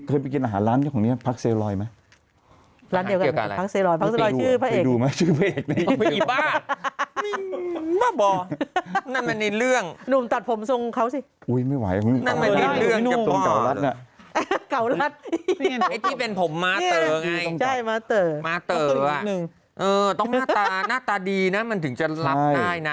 ที่เป็นผมมาเตอร์ไงมาเตอร์อ่ะต้องหน้าตาดีนะมันถึงจะรับได้นะ